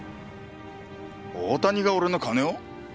大谷が俺の金を？